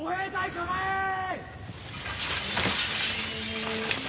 構えい！